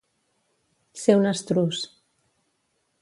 Ser un estruç.